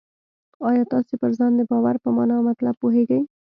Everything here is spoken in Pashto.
آیا تاسې پر ځان د باور په مانا او مطلب پوهېږئ؟